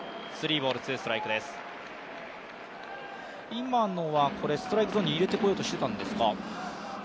今のはストライクゾーンに入れてこようとしてたんですか？